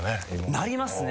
なりますね。